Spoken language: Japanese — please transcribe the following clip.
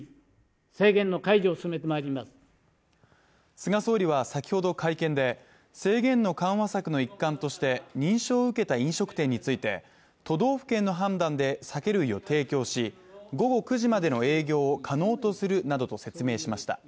菅総理は先ほど、会見で制限の緩和策の一環として認証を受けた飲食店について、都道府県の判断で酒類を提供し、午後９時までの営業を可能とするなどと説明しました。